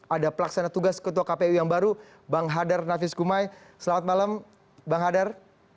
ada pelaksana tugas ketua kpu yang baru bang hadar nafis kumai selamat malam bang hadar